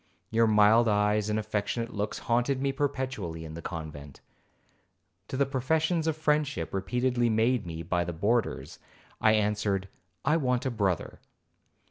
Your mild eyes and affectionate looks haunted me perpetually in the convent. To the professions of friendship repeatedly made me by the boarders, I answered, 'I want a brother.'